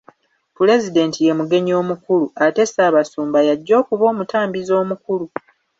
Pulezidenti ye mugenyi omukulu ate Ssaabasumba y'ajja okuba omutambizi omukulu.